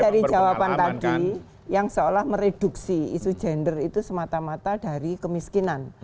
jadi dari jawaban tadi yang seolah mereduksi isu gender itu semata mata dari kemiskinan